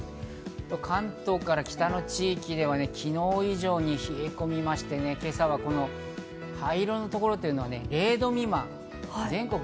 関東から北の地域では昨日以上に冷え込みましてね、今朝は灰色のところというのは０度未満。